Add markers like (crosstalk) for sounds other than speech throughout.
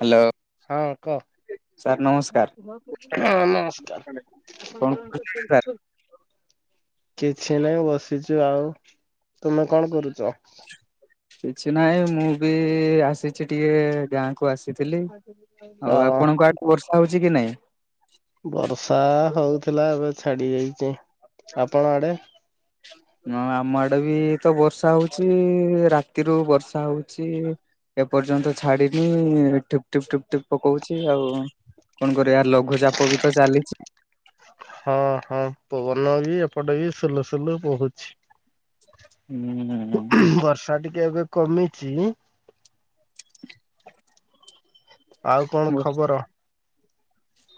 Hello ହଁ କହ। Sir ନମସ୍କାର ହଁ କଣ କରୁଛନ୍ତି ସାର୍? ନମସ୍କାର। କିଛି ନହିଁ ବସିଚୁ ଆଉ ତୁମେ କଣ କରୁଚ? କିଛି ନହିଁ ମୁଁ ବି ଆସିଚି ଟିକେ ଗାଁ କୁ ଆସିଥିଲି ଅ ଆଉ ଆପଣଙ୍କ ଆକୁ ବର୍ଷା ହଉଚି କି ନାଇଁ? ବର୍ଷା ହଉଥିଲା ଏବେ ଛାଡି ଯାଇଚି। ଆପଣ ଆଡେ? ହ ହ ଆମ ଆଡେ ବି ତ ବର୍ଷା ହଉଚି ରାତିରୁୁ ବର୍ଷା ହଉଚି ଏପର୍ଯ୍ୟନ୍ତ ଛାଡିନି ଠିପ ଠୁପ ଠୁପ ଠୁପ ପକଉଚି ଆଉ କଣ କର ଲଘୁଚାପ ବି ତ ଚାଲିଚି। ହଁ ହଁ ପବନ ବି ଏପଟେ ବି ସୁଲୁ ସୁଲୁ ବହୁଚି। ହୁଁ। ବର୍ଷା ଟିକେ ଏବେ କମିଚି। ଆଉ କଣ ହୁଁ। ଖବର?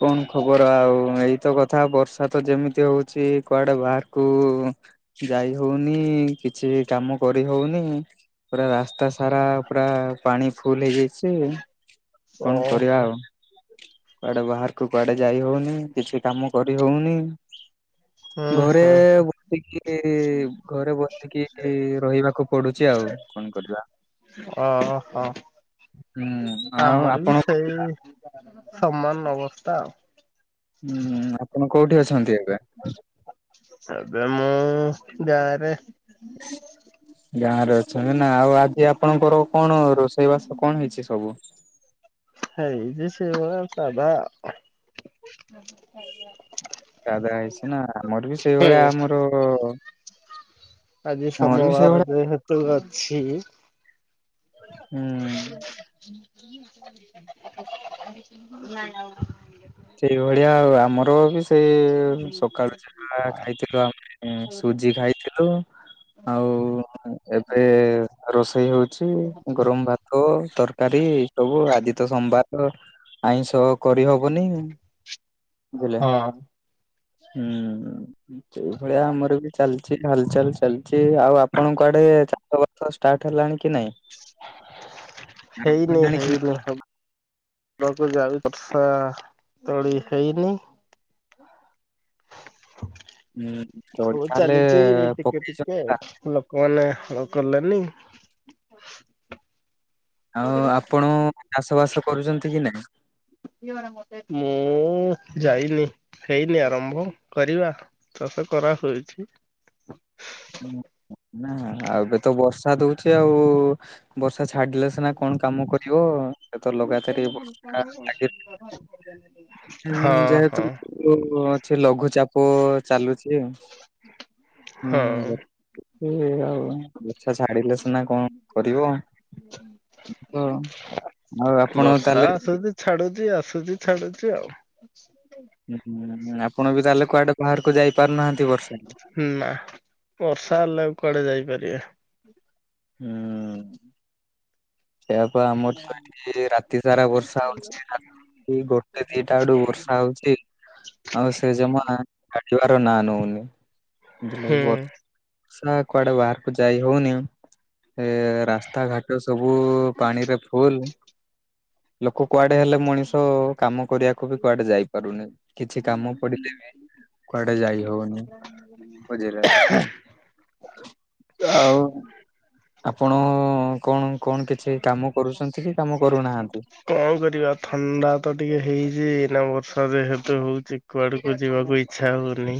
କଣ ଖବର ଆଉ ଏଇତ କଥା ବର୍ଷା ତ ଯେମିତି ହଉଚି କୁଆଡେ ବାହାରକୁ ଯାଇ ହଉନି କିଛି କାମ କରି ହଉନି। ପୁରା ରାସ୍ତା ସାରା ପୁରା ପାଣି ଫୁଲ ହେଇଯାଇଚି। କଣ କରିବା ଓହୋ ଆଉ। କୁଆଡେ ବାହାର କୁ କୁଆଡେ ଯାଇ ହଉନି କିଛି କାମ କରି ହଉନି। ହୁଁ ଘରେ ହୁଁ ବସିକି ଘରେ ବସିକି ରହିବାକୁ ପଡୁଚି ଆଉ। କଣ କରିବା? ଅ ହ। ହୁଁ। ଆଉ ଆମର ଆପଣ ବି ସେଇ ସମାନ ଅବସ୍ଥା ଆଉ। ହୁଁ ହୁଁ ଆପଣ କୋଉଠି ଅଛନ୍ତି ଏବେ? ଆପ ମୁଁ ଗାଁ ରେ। ଗାଁ ରେ ଅଛନ୍ତି ନା ଆଉ ଆଜି ଆପଣଙ୍କର କଣ ରୋଷେ ଇ ବାସ କଣ ହେଇଚି ସବୁ? ହେଇଚି ସେଇଭଳିଆ ସାଧା ଆଉ। ସାଧା ହେଇଚି ନା ଆମର ବି ସେଇଭଳିଆ ଆମର ଆଜି ଆମର ବି ସୋମବାର ସେଇଭଳିଆ ଯେହେତୁ ଅଛି। ହୁଁ। (unintelligible) ସେଇଭଳିଆ ଆଉ ଆମର ବି ସେଇ ସକାଳୁ ହେଇଯାଏ। ଆ ଖାଇଥିଲୁ ଆମେ ସୁଜି ଖାଇଥିଲୁ। ଆଉ ଏବେ ରୋଷେଇ ହଉଛି। ଗରମ ଭାତ ତରକାରୀ ଏ ସବୁ ଆଜି ତ ସୋମବାର ଆଇଁଷ। କରି ହବନି ବୋଇଲେ ହଁ ହୁଁ। ସେଇଭଳିଆ ଆମର ବି ଚାଲିଛି ହଲଚାଲ ଚାଲିଛି ଆଉ ଆପଣଙ୍କ ଆଡେ। (inaudible) ଷ୍ଟାଟ ହେଲାଣି କି ନାଇଁ ଆରମ୍ଭ ହେଲାଣି କି ନାଇଁ। (inaudible) କୁ ଯାଉ ବର୍ଷା ତଳୀ ହେଇନି। ହୁଁ ତଳି ସବୁ ତାହେଲେ ପକେଇଚନ୍ତି ନା। କଲେ ହଳ କଲେନି। ଆଉ ଆପଣ ଚାଷ ବାସ କରୁଛନ୍ତି କି ନାଇଁ? ମୁଁ ଯାଇନି ହେଇନି ଆରମ୍ଭ କରିବା। ଚାଷ କରା ହୋଇଛି। ନା ଆଉ ଏବେ ତ ବର୍ଷା ଦଉଛି ଆଉ। ବର୍ଷା ଛାଡିଲେ ସିନା କଣ କାମ କରିବ ଏ ତ ଲଗା ତାର ଏ ବଷ (unintelligible) (unintelligible) ହୁଁ ଯେହେତୁ ହଁ ଅଛି ଲଘୁଚାପ ଚାଲୁଛି। ହଁ ହୁଁ ବ ହୁଁ ଆଉ ବଛା ଛାଡିଲେ ସିନା କଁ କରିବ। ତ ଆଉ ଆପଣ ବର୍ଷା ତାହେଲେ। ଆସୁଛି ଛାଡୁଛି ଆସୁଛି ଛାଡୁଛି ଆଉ। ଅା (inaudible) ହୁଁ ଆପଣ ବି ତାହେଲେ କୁଆଡେ ବାହାରକୁ ଯାଇ ପାରୁ ନାହାନ୍ତି ବର୍ଷା‌ରେ। ନା ବର୍ଷା ହେଲେ ଆଉ କୁଆଡେ ଯାଇପାରିବେ। ହୁଁ। ସେୟା ତ ଆମର ତ ଏଠି ରାତି ସାରା ବର୍ଷା ହଉଛି ରାତି ଗୋଟେ ଦିଟା ଠୁ ବର୍ଷା ହଉଛି। (unintelligible) ଆଉ ସେ ଜମା ଛାଡ଼ିବାର ନାଁ ନଉନି। ହୁଁ ବର୍ଷା କୁଆଡେ ବାହାରକୁ ଯାଇ ହଉନି। ଏ ରାସ୍ତା ଘାଟ ସବୁ ପାଣିରେ ଫୁଲ। ଲୋକ କୁଆଡେ ହେଲେ ମଣିଷ କାମ କରିବାକୁ ବି କୁଆଡେ ଯାଇ ପାରୁନି କିଛି କାମ ପଡିଲେ ବି। କୁଆଡେ ଯାଇ ହଉନି ବୁଝିଲେ (unintelligible) ଆଉ। ଆପଣ କଣ କଣ କିଛି କାମ କରୁଛନ୍ତି କି କାମ କରୁ ନାହାନ୍ତି? କଁ କରି ବା ଥଣ୍ଡା ତ ଟିକେ ହେଇଛି ଏଇନା ବର୍ଷା ଯେହେତୁ ହଉଛି କୁଆଡକୁ ଯିବାକୁ ଇ ଛା ହଉନି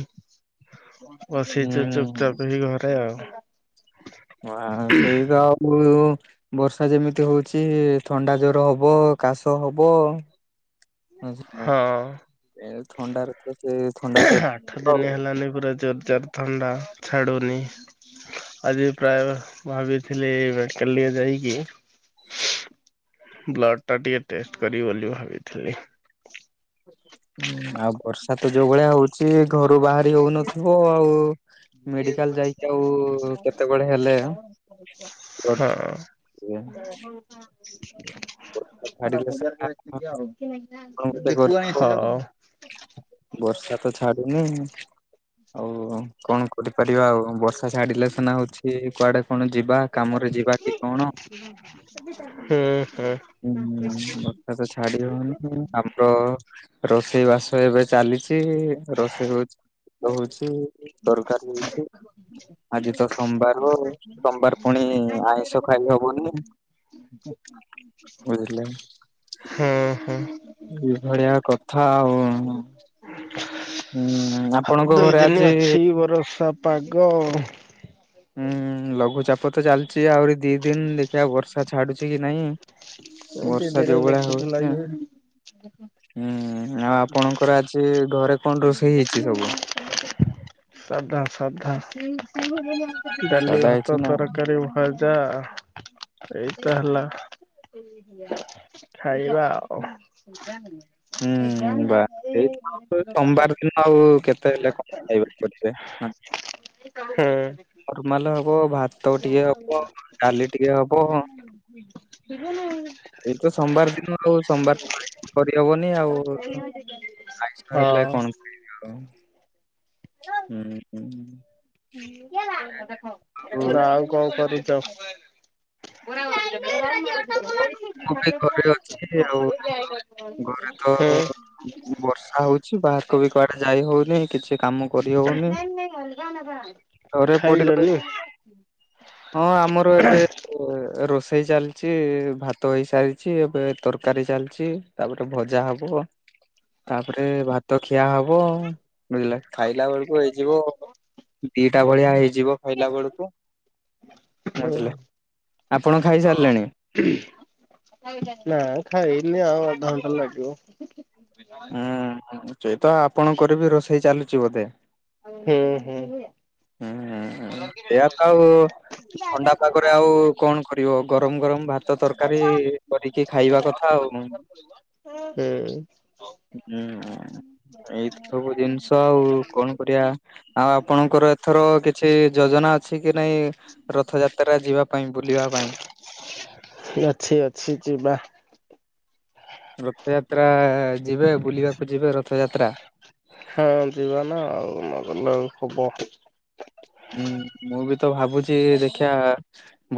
ବସିଛୁ ହୁଁ ଚୁପଚାପ ହେଇ ଘରେ ଆଉ। ମୁଁ ହା ସେଇ ତ ଆଉ। ଉ ବର୍ଷା ଯେମିତି ହଉଛି ଥଣ୍ଡା ଜର ହବ କାଶ ହବ। ହଁ। ଥଣ୍ଡାରେ ତ ସେ ଥଣ୍ଡା ଜର ଆଠ ଆଉ ଦିନି ହେଲାନି ପୁରା ଜୋର ଜାର। ଥଣ୍ଡା ଛାଡ଼ୁନି। ଆଜି ପ୍ରାୟ ଭାବିଥିଲି ମେଡ଼ିକାଲ ଟିକେ ଯାଇକି। ବ୍ଲଡ଼ ଟା ଟିକେ ଟେଷ୍ଟ କରିବି ବୋଲି ଭାବିଥିଲି। ହୁଁ ଆଉ ବର୍ଷା ତ ଯୋଉ ଭଳିଆ ହଉଛି ଘରୁ ବାହାରି ହଉନଥିବ ଆଉ। ମେଡ଼ିକାଲ ଯାଇକି ଆଉ କେତେବେଳେ ହେଲେ ହଁ ବ୍ଲଡ। (unintelligible) (unintelligible) କରିବ ହଁ। ବର୍ଷା ତ ଛାଡ଼ୁନି ଆଉ କଣ କରିପାରିବା ଆଉ ବର୍ଷା ଛାଡ଼ିଲେ ସିନା ହଉଛି କୁଆଡ଼େ କଣ ଯିବା କାମରେ ଯିବା କି କଣ। ହୁଁ ହୁଁ। ହୁଁ ବର୍ଷା ତ ଛାଡ଼ିବନି ଆମର ରୋଷେଇ ବାସ ଏବେ ଚାଲିଛି ରୋଷେଇ ହଉଛି। ହଉଛି ତରକାରୀ ହଉଛି ଆଜି ତ ସୋମବାର (unintelligible) ସୋମବାର ପୁଣି ଆଇଁଷ ଖାଇ ହବନି। ବୁଝିଲେ (unintelligible) ହୁଁ ହୁଁ। ଏଇ ଭଳିଆ କଥା ଆଉ। ହୁଁ ଆପ୍ ଆଉ ଦୁଇ ଦିନି ଅଛି ବରଷା ପାଗ। ହୁଁ ଲଘୁଚାପ ତ ଚାଲିଛି ଆହୁରି ଦି ଦିନି ଦେଖିଆ ବର୍ଷା ଛାଡ଼ୁଛି କି ନାଇଁ। ଦି ବର୍ଷା ଦିନ ଯୋଉଭଳିଆ ଲେଖିଥିଲା ହଉଛି। ଇଏ ହୁଁ ଆଉ ଆପଣଙ୍କର ଆଜି ଘରେ କଣ ରୋଷେଇ ହେଇଛି ସବୁ? ସାଧା ସାଧା ଡାଲି, ସାଧା ଭାତ, ହେଇଛି ନା ତରକାରୀ, ଭଜ ଜା ଏଇଟା ହେଲା ଖାଇବା ଆଉ। ହୁଁ ବା ଏଇ ତ ସୋମବାର ଦିନ ଆଉ କେତେ ହେଲେ କଣ (unintelligible) (unintelligible) ହୁଁ। ଫରମାଲ୍ ହବ ଭାତ ଟିକେ ହବ ଡାଲି ଟିକେ ହବ। (unintelligible) ଏଇ ତ ସୋମବାର ଦିନ ଆଉ ସୋମବାର ତ ଆଉ ଆଇଁଷ କରିହବନି ଆଉ। ଆଇଁଷ ହେଲେ ହଁ (unintelligible) ଉଁ ହୁଁ। (unintelligible) ଆଉ। କଣ କରୁଚ। ମୁଁ ବି (unintelligible) (unintelligible) ଗରେ ତ ବର୍ଷା ହଉଛି ବାହାରକୁ ବି କୁଆଡ଼େ ଯାଇ ହଉନି କିଛି କାମ କରି ହଉନି। (unintelligible) ଘରେ ଖାଇଲନି? ପଡିରହିଲେ ହଁ ଆମର ଏବେ ଏ ରୋଷେଇ ଚାଲିଛି ଭାତ ହେଇସାରିଛି ଏବେ ତରକାରୀ ଚାଲିଛି। ତାପରେ ଭଜା ହବ ତାପରେ ଭାତ ଖିଆ ହବ। ବୁଝିଲେ ଖାଇଲା ବେଳକୁ ହେଇଯିବ ଦିଟା ଭଳିଆ ହେଇଯିବ ଖାଇଲା ବେଳକୁ। (inaudible) ବୁଝିଲେ ଆପଣ ଖାଇ ସାରିଲେଣି? (unintelligible) ନା ଖାଇନି ଆଉ ଅଧଘଣ୍ଟେ ଲାଗିବ। ହୁଁ ସେଇତ ଆପଣଙ୍କର ବି ରୋଷେଇ ଚାଲୁଛି ବୋଧେ? ହୁଁ ହୁଁ। ହୁଁ ହୁଁ ସେଇଆ ତ ଆଉ ଥଣ୍ଡା ପାଗରେ ଆଉ କଣ କରିବ ଗରମ ଗରମ ଭାତ ତରକାରୀ କରି କି ଖାଇବା କଥା ଆଉ। ହୁଁ। ହୁଁ ଏଇ ତ ସବୁ ଜିନିଷ ଆଉ କଣ କରିବା। ଆଉ ଆପଣଙ୍କର ଏଥର କିଛି ଯୋଜନା ଅଛି କି ନାଇଁ? ରଥ ଯାତ୍ରା ଯିବା ପାଇଁ ବୁଲିବା ପାଇଁ। ଅଛି ଅଛି ଯିବା। ରଥଯାତ୍ରା ଯିବେ ବୁଲିବାକୁ ଯିବେ ରଥଯାତ୍ରା। ହଁ ଯିବାନା ଆଉ ନଗନେ ଆଉ ହବ। ହୁଁ ମୁଁ ବି ତ ଭାବୁଚି ଦେଖିଆ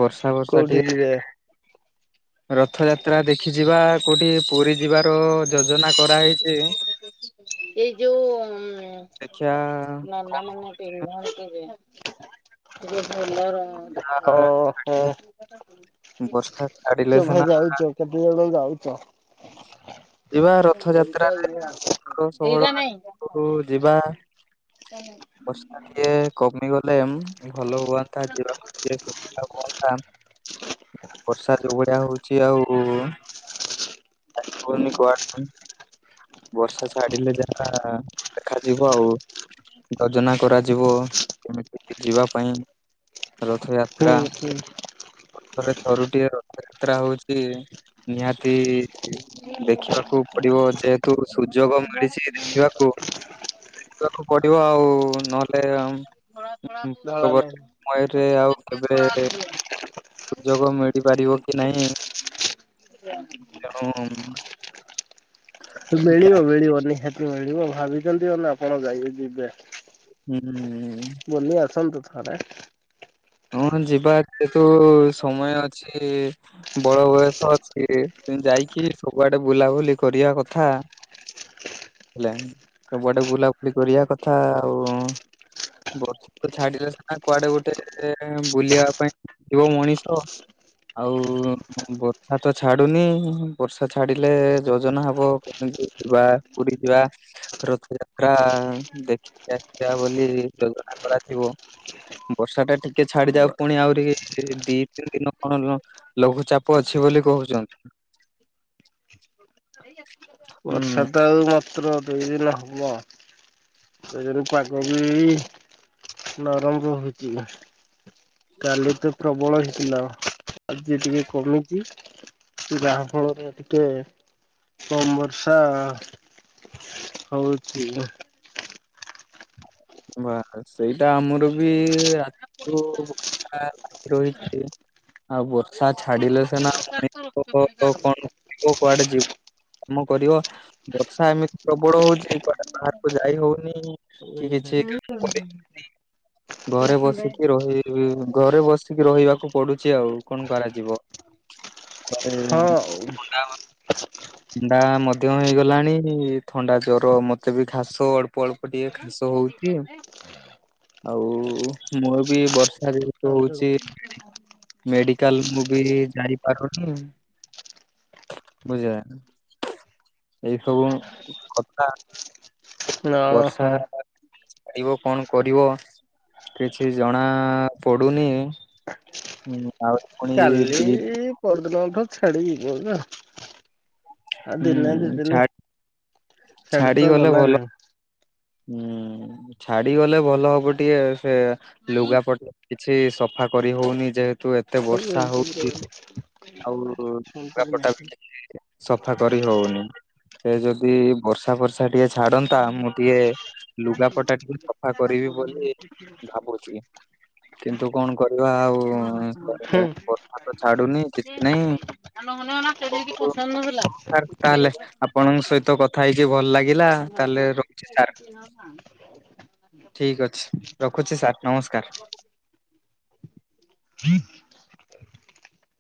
ବର୍ଷା ବର୍ଷା କୋଉଠି ଯିବେ? ଟିକେ ରଥଯାତ୍ରା ଦେଖି ଯିବା କୋଉଟି ପୁରୀ ଯିବାର ଯୋଜନା କରାହେଇଚି। ଏଇ ଯୋଉ ଦେଖିଆ ଉଁ କଣ (unintelligible) ଯିବେ ସେଇ ଯୋଉ ଭୋଲର ହଁ ହଁ କେଭେ ବର୍ଷା ଯାଇଚ? ଛାଡିଲେ ସିନା କେତେ ଜଣ ଯାଇଚ? ହ (inaudible) ଷୋହଳ ଏଇରା ନାଇଁ। ଆଡକୁ ଯିବା (unintelligible) (unintelligible) ଟିକେ କମିଗଲେ ଭଲ ହୁଅନ୍ତା ଯିବାକୁ ଟିକେ ସୁବିଧା ହୁଅନ୍ତା। ବର୍ଷା ଯୋଉଭଳିଆ ହଉଚି ଆଉ (inaudible) ବର୍ଷା ଛାଡିଲେ ଯାହା ଦେଖାଯିବ ଆଉ। ଯୋଜନା କରାଯିବ କେମିତି ଯିବା ପାଇଁ ରଥଯା ହୁଁ ତ୍ରା ହୁଁ ବର୍ଷ ର ଥରୁଟିଏ ରଥଯାତ୍ରା ହଉଚି ନିହାତି ଦେଖିବାକୁ ପଡିବ ଯେହେତୁ ସୁଯୋଗ ମିଳିଛି ଦେଖିବାକୁ। ଯିବାକୁ ପଡିବ ଆଉ ନହେଲେ ଧଳା ନାହିଁ ପୂର୍ବବର୍ତ୍ତୀ ସମୟରେ ଆଉ କେବେ (inaudible) ସୁଯୋଗ ମିଳିପାରିବ କି ନାହିଁ ତେଣୁ ମିଳିବ ମିଳିବ ନିହାତି ମିଳିବ ଭାବିଚନ୍ତି ମାନେ ଆପଣ ଯାଇ ଯିବେ। ହୁଁ। ବୁଲି ଆସନ୍ତୁ ଥରେ। ହଁ ଯିବା ଯେହେତୁ ସମୟ ଅଛି। ବଳ ବୟସ ଅଛି (unintelligible) ଯାଇକି ସବୁଆଡେ ବୁଲାବୁଲି କରିବା କଥା। ହେଲା ସବୁଆଡେ ବୁଲାବୁଲି କରିବା କଥା ଆଉ ବର୍ଷା ତ ଛାଡିଲେ ସିନା କୁଆଡେ ଗୋଟେ ଟେ ବୁଲିବା ପାଇଁ ଯିବ ମଣିଷ। ଆଉ ବର୍ଷା ତ ଛାଡୁନି ବର୍ଷା ଛାଡିଲେ ଯୋଜନା ହବ କେମିତି ଯିବା ପୁରୀ ଯିବା। ରଥଯାତ୍ରା ଦେଖିକି ଆସିବା ବୋଲି ଯୋଜନା କରାଯିବ। ବର୍ଷା ଟା ଟିକେ ଛାଡିଯାଉ ପୁଣି ଆହୁରି ଦି ତିନି ଦିନ କଣ ଲଘୁଚାପ ଅଛି ବୋଲି କହୁଚନ୍ତି। ବର୍ଷା ହୁଁ ତ ଆଉ ମାତ୍ର ଦୁଇ ଦିନ ହବ। (unintelligible) ପାଗ ବି ନରମ ରହୁଚି। କାଲି ତ ପ୍ରବଳ ହେଇଥିଲା ଆଜି ଟିକେ କମିଚି। ଯାହା ଫଳରେ ଟିକେ କମ ବର୍ଷା ହଉଚି। ବା ସେଇଟା ଆମର ବି ରାତିଠୁ ବର୍ଷା ଲାଗି ରହିଚି। ଆଉ ବର୍ଷା ଛାଡିଲେ ସନା ମଣି କଣ କରିବ କୁଆଡେ ଯି କାମ କରିବ ବର୍ଷା ଏମିତି ପ୍ରବଳ ହଉଚି କୁଆଡେ ବାହାରୁକୁ ଯାଇ ହଉନି। ସେଇ (unintelligible) ଘରେ ବସିକି ରହିବି। (unintelligible) ଘରେ ବସିକି ରହିବାକୁ ପଡୁଚି ଆଉ କଣ କରାଯିବ? ଘରେ ହଁ ଥଣ୍ତା ଥଣ୍ଡା ମଧ୍ୟ ହେଇଗଲାଣି ଥଣ୍ଡା ଜର ମତେ ବି ଖାସ ଅଳ୍ପ ଅଳ୍ପ ଟିକେ ଖାସ ହଉ ଚି ଆଉ ମୁଁ ବି ବର୍ଷା ଯେହେତୁ ଓହୋ। ହଉଚି ମେଡିକାଲ ମୁଁ ବି ଯାଇପାରୁନି। (unintelligible) ଏଇ ସବୁ କଥା। ବର୍ଷା ପିଇବ କଣ କରିବ? କିଛି ଜଣା ପଡୁନି ଉଁ ଆଉ ପୁଣି ଦି (unintelligible) ଛାଡି (unintelligible) ଦିନେ ଉଁ ଛା ଦିଇଦିନି ସିଆଡେ ତ ଗଲାନି। ହୁଁ। ଛାଡିଗଲେ ଭଲ ହବ ଟିକେ ସେ ଲୁଗା ପଟା କିଛି ସଫା କରି ହଉନି ଯେହେତୁ ଏତେ ବର୍ଷା ହଉଛି। ଆଉ ବାପଟା କିଛି ସଫା କରି ହଉନି। ସେ ଯଦି ବର୍ଷା ବର୍ଷା ଟିକେ ଛାଡନ୍ତା ମୁଁ ଟିକେ ଲୁଗାପଟା ଟିକେ ସଫା କରିବି ବୋଲି ଭାବୁଛି। କିନ୍ତୁ କଣ କରିବା ଆଉ (unintelligible) ତ ଛାଡୁନି କି ନାଇଁ (unintelligible) ତାହେଲେ ଆପଣଙ୍କ ସହିତ କଥା କଥା ହେଇକି ଭଲ ଲାଗିଲା ତାହେଲେ ରହୁଛି ସାର୍। (unintelligible) ଠିକ ଅଛି ରଖୁଛି ସାର୍ ନମସ୍କାର।